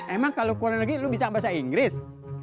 emang kalo ke luar negeri lo bisa bahasa inggris